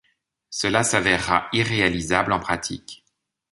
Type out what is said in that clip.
Cela s'avéra irréalisable en pratique.